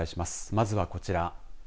まずはこちら。